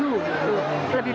iya masih tenang